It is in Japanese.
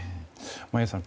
眞家さん